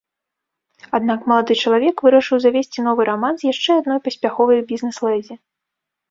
Аднак малады чалавек вырашыў завесці новы раман з яшчэ адной паспяховай бізнэс-ледзі.